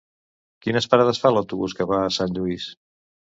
Quines parades fa l'autobús que va a Sant Lluís?